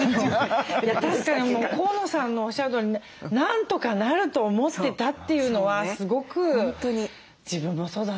確かに河野さんのおっしゃるとおりね何とかなると思ってたっていうのはすごく自分もそうだなと思いました。